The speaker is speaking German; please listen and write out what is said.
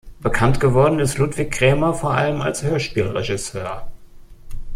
Bekanntgeworden ist Ludwig Cremer vor allem als Hörspielregisseur.